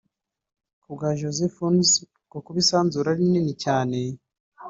Kubwa Jose Funes ngo kuba isanzure ari rinini cyane